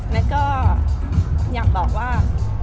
แล้วก็อยากบอกว่า